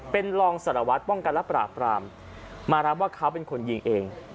เป็นรองสารวัตรป้องกันและปราบปรามมารับว่าเขาเป็นคนยิงเอง